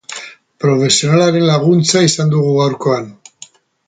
Profesionalaren laguntza izan dugu gaurkoan.